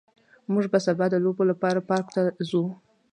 موږ به سبا د لوبو لپاره پارک ته ځو